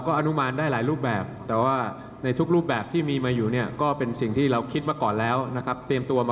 ขออนุญาตไม่สมมุตินะครับ